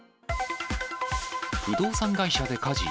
不動産会社で火事。